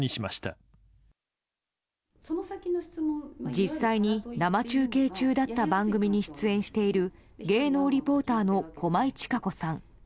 実際に生中継中だった番組に出演している芸能リポーターの駒井千佳子さん。